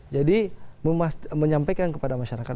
jadi menyampaikan kepada masyarakat